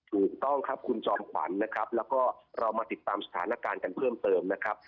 ถูกต้องครับคุณจอมขวัญนะครับแล้วก็เรามาติดตามสถานการณ์กันเพิ่มเติมนะครับ